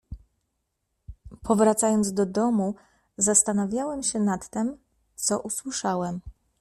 "Powracając do domu, zastanawiałem się nad tem, co usłyszałem."